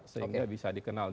sehingga bisa dikenal